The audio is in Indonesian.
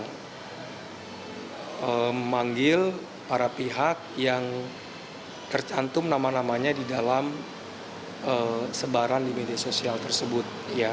memanggil para pihak yang tercantum nama namanya di dalam sebaran di media sosial tersebut